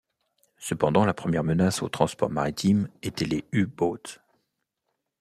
Cependant, la première menace au transport maritime était les U-Boots.